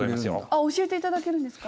あっ教えていただけるんですか？